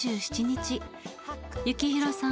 幸宏さん